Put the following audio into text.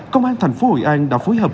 công an thành phố hội an đã phối hợp